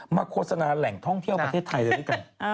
โฆษณาแหล่งท่องเที่ยวประเทศไทยเลยด้วยกัน